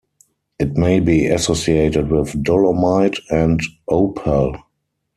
It may be associated with dolomite and opal.